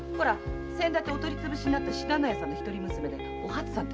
先だってお取り潰しになった信濃屋の一人娘・お初さん。